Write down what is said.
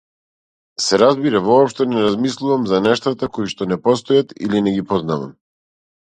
Се разбира, воопшто не размислувам за нештата коишто не постојат или не ги познавам.